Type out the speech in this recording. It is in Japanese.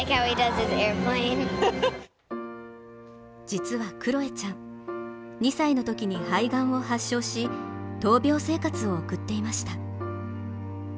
実は、クロエちゃん２歳のときに肺がんを発症し、闘病生活を送っていました。